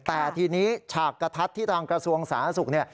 แต่ทีนี้ฉากกระทัดที่ทางกระทรวงสาธารณสุขเนี่ย